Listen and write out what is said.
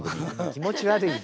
気持ち悪いよ。